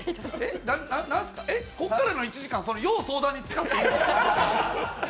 こっからの１時間それ、要相談に使っていいんですか？